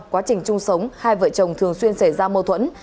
quá trình chung sống hai vợ chồng thường xuyên xảy ra mâu thuẫn